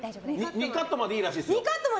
２カットまでいいらしいですよ。